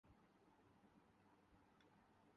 تو سب ایک دوسرے کے مددگار ہوں۔